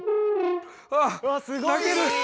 わっ泣ける！